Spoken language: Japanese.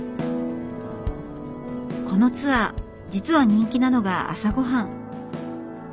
このツアー実は人気なのが朝ごはん。